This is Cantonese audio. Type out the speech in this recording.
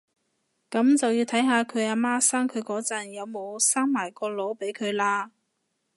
噉就要睇下佢阿媽生佢嗰陣有冇生埋個腦俾佢喇